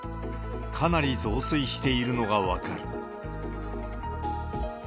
かなり増水しているのが分かる。